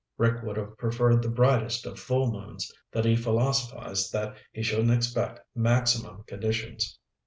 Rick would have preferred the brightest of full moons, but he philosophized that he shouldn't expect maximum conditions.